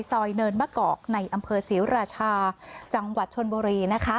ซอยเนินมะกอกในอำเภอสิวราชาจังหวัดชนบุรี